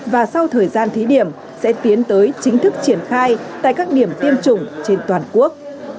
và sau thời gian thí điểm sẽ tiến tới chính thức triển khai tại các điểm tiêm chủng trên toàn quốc